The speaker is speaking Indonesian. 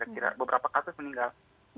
kira beberapa kasus meninggal